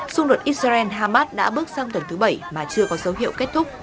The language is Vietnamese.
xung đột israel hamas đã bước sang tuần thứ bảy mà chưa có dấu hiệu kết thúc